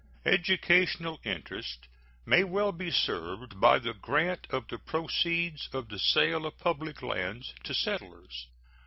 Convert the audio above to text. Educational interest may well be served by the grant of the proceeds of the sale of public lands to settlers.